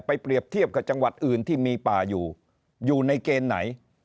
เปรียบเทียบกับจังหวัดอื่นที่มีป่าอยู่อยู่ในเกณฑ์ไหน